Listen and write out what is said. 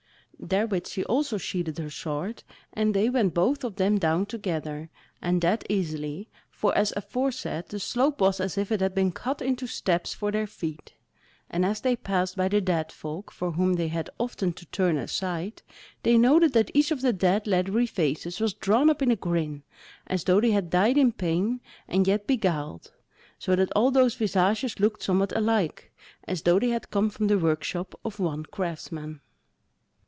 Therewith she also sheathed her sword, and they went both of them down together, and that easily; for as aforesaid the slope was as if it had been cut into steps for their feet. And as they passed by the dead folk, for whom they had often to turn aside, they noted that each of the dead leathery faces was drawn up in a grin as though they had died in pain, and yet beguiled, so that all those visages looked somewhat alike, as though they had come from the workshop of one craftsman.